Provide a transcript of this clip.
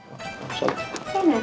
eh nak silahkan